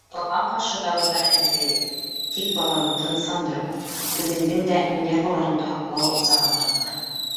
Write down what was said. Быға ҡаршы дарыуҙар әлегә юҡ, тик баланы тынысландырыу, үҙеңдең дә нервыларыңды һаҡлау саралары бар: